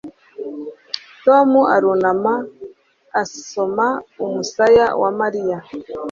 Tom arunama asoma umusaya wa Mariya